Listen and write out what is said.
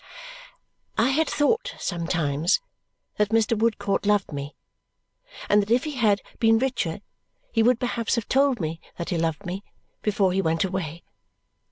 I had thought, sometimes, that Mr. Woodcourt loved me and that if he had been richer he would perhaps have told me that he loved me before he went away.